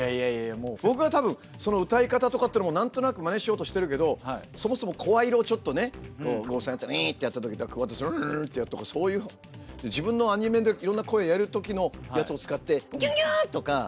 僕はたぶんその歌い方とかっていうのも何となくマネしようとしてるけどそもそも声色をちょっとねこう合成だったら「ウイ」ってやって「オワ」ってやるとかそういう自分のアニメでいろんな声やるときのやつを使って「ギュンギュン！」とかね「さかなクンです！」